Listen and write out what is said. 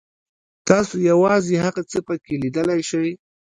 تاسو یوازې هغه څه پکې لیدلی شئ.